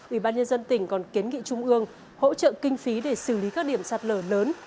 ủy ban nhân dân tỉnh còn kiến nghị trung ương hỗ trợ kinh phí để xử lý các điểm sạt lở lớn